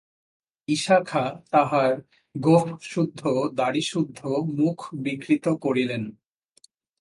ইশা খাঁ তাঁহার গোঁফসুদ্ধ দাড়িসুদ্ধ মুখ বিকৃত করিলেন।